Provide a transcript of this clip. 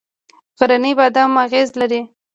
غرنی بادام اغزي لري؟